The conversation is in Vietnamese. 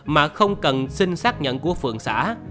mà không cần xin xác nhận của phượng xã